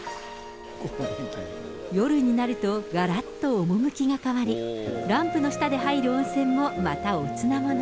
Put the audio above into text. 夜になるとがらっと趣が変わり、ランプの下で入る温泉も、また、おつなもの。